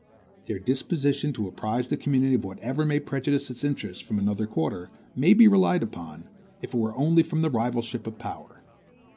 Their disposition to apprise the community of whatever may prejudice its interests from another quarter, may be relied upon, if it were only from the rivalship of power.